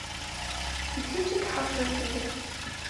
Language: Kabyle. D kečč i iḥeṛcen fell-i.